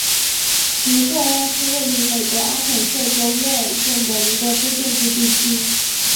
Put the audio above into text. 奇克拉是位于美国阿肯色州耶尔县的一个非建制地区。